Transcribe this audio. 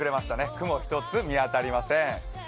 雲一つ見当たりません。